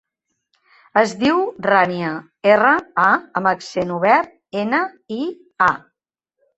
Es diu Rània: erra, a amb accent obert, ena, i, a.